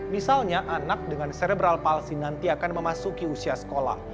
misalnya anak dengan serebral palsi nanti akan memasuki usia sekolah